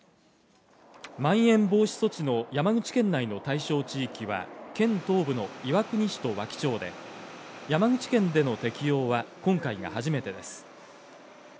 まん延防止措置の山口県内の対象地域は、県東部の岩国市と和木町で山口県での適用は今回が初めてです。